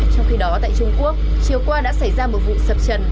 trong khi đó tại trung quốc chiều qua đã xảy ra một vụ sập trần